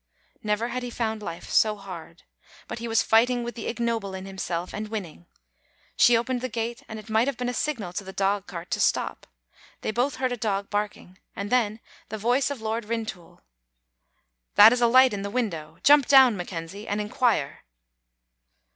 Never had he found life so hard ; but he was fighting with the ignoble in himself, and winning. She opened the gate, and it might have been a signal to the dogcart to stop. They both heard a dog barking, and then the voice of Lord Rintoul : "That is a light in the window. Jump down, Mc Kenzie, and inquire."